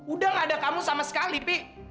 udah gak ada kamu sama sekali pi